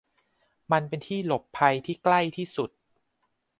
มันเป็นที่หลบภัยที่ใกล้ที่สุด